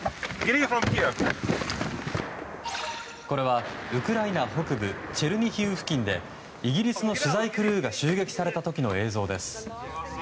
これはウクライナ北部チェルニヒウ付近でイギリスの取材クルーが襲撃された時の映像です。